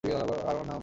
আমার নাম?